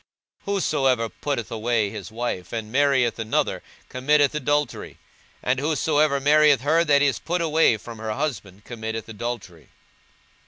42:016:018 Whosoever putteth away his wife, and marrieth another, committeth adultery: and whosoever marrieth her that is put away from her husband committeth adultery.